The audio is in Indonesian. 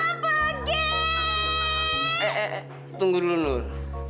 eh eh eh tunggu dulu nur